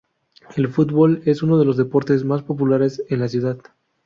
El fútbol es uno de los deportes más populares en la ciudad.